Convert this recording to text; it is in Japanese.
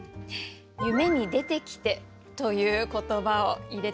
「夢に出てきて」という言葉を入れてみたいなと思います。